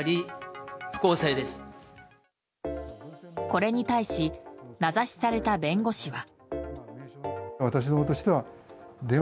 これに対し名指しされた弁護士は。